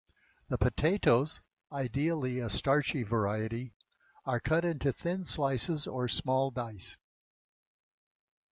The potatoes, ideally a starchy variety, are cut into thin slices or small dice.